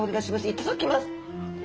いただきます。